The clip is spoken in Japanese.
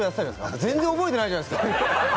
全然覚えてないじゃないですか。